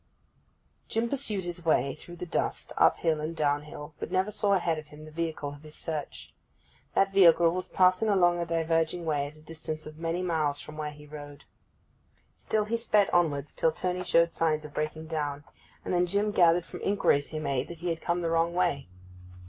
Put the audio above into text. Jim pursued his way through the dust, up hill and down hill; but never saw ahead of him the vehicle of his search. That vehicle was passing along a diverging way at a distance of many miles from where he rode. Still he sped onwards, till Tony showed signs of breaking down; and then Jim gathered from inquiries he made that he had come the wrong way.